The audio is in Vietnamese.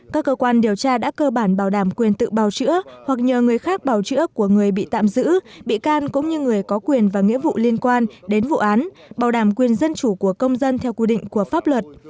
các cơ quan điều tra đã cơ bản bảo đảm quyền tự bào chữa hoặc nhờ người khác bào chữa của người bị tạm giữ bị can cũng như người có quyền và nghĩa vụ liên quan đến vụ án bảo đảm quyền dân chủ của công dân theo quy định của pháp luật